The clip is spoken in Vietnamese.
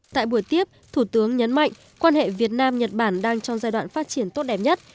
tại buổi tiếp thủ tướng nhấn mạnh quan hệ việt nam nhật bản đang trong giai đoạn phát triển tốt đẹp nhất